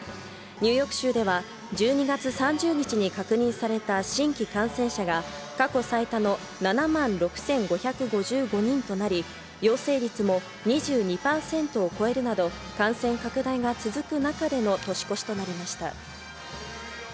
ニューヨーク州では１２月３０日に確認された新規感染者が過去最多の７万６５５５人となり、陽性率も２２％を超えるなど感染拡大が続く中での年越しとなりました。